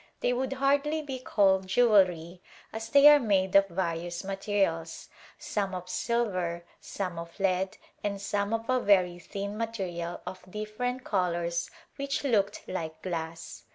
They would hardly be called jewelry as they are made of various materials, some of silver, some of lead and some of a very thin material of different colors which looked like glass.